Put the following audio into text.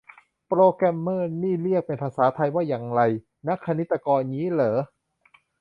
โปรแกรมเมอร์นี่เรียกเป็นภาษาไทยว่าอย่างไร นักคณิตกร งี้เหรอ